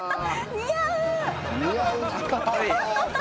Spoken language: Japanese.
似合うな。